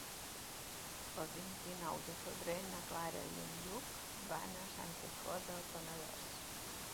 El vint-i-nou de febrer na Clara i en Lluc van a Santa Fe del Penedès.